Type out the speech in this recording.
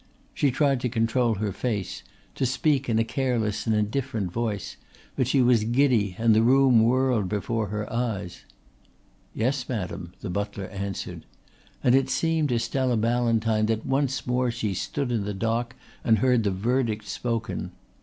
She tried to control her face, to speak in a careless and indifferent voice, but she was giddy and the room whirled before her eyes. "Yes, madam," the butler answered; and it seemed to Stella Ballantyne that once more she stood in the dock and heard the verdict spoken.